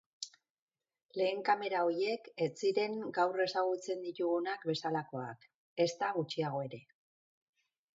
Lehen kamera horiek ez ziren gaur ezagutzen ditugunak bezalakoak, ezta gutxiago ere.